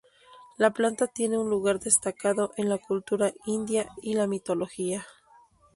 La planta tiene un lugar destacado en la cultura india y la mitología.